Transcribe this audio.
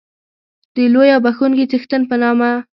د لوی او بښوونکي څښتن په نامه.